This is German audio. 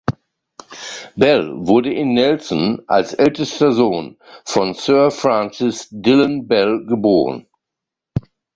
Bell wurde in Nelson als ältester Sohn von Sir Francis Dillon Bell geboren.